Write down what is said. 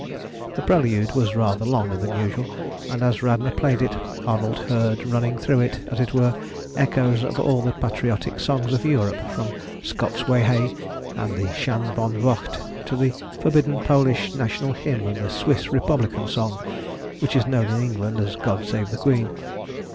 The prelude was rather longer than usual, and as Radna played it Arnold heard running through it, as it were, echoes of all the patriotic songs of Europe from "Scots Wha Hae" and "The Shan van Voght" to the forbidden Polish National Hymn and the Swiss Republican song, which is known in England as "God Save the Queen."